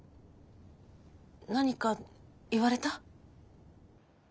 何か言われた？